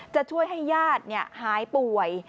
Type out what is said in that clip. จะช่วยให้ญาติหายป่วย